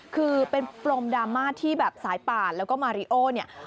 คือเป็นปรมดราม่าที่แบบสายป่านแล้วก็มาริโอเนี่ย